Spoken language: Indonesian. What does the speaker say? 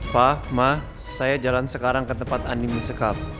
pak ma saya jalan sekarang ke tempat andi disekap